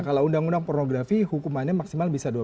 kalau undang undang pornografi hukumannya maksimal bisa dua tahun